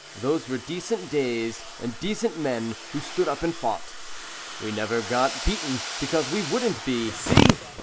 Those were decent days, And decent men, who stood up and fought. We never got beaten, because we wouldn't be. See!"